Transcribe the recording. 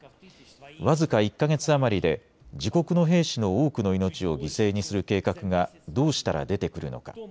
僅か１か月余りで自国の兵士の多くの命を犠牲にする計画がどうしたら出てくるのか。